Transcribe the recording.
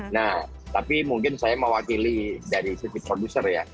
nah tapi mungkin saya mewakili dari sisi produser ya